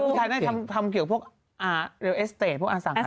แล้วผู้ชายนั้นทำเกี่ยวกับพวกอาสังหาริปราศาสตร์